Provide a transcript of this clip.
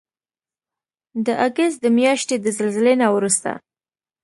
د اګست د میاشتې د زلزلې نه وروسته